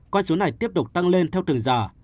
quan chốn này tiếp tục tăng lên theo thường dở